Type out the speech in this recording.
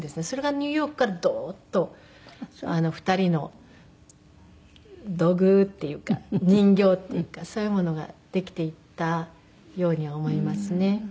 それがニューヨークからドーッと２人の土偶っていうか人形っていうかそういうものができていったようには思いますね。